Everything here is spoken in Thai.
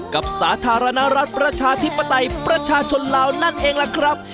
สาธารณรัฐประชาธิปไตยประชาชนลาวนั่นเองล่ะครับ